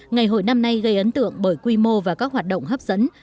ngày hội năm nay gây ấn tượng bởi quy mô và các hoạt động hấp dẫn